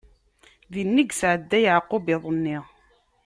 Dinna i yesɛedda Yeɛqub iḍ-nni.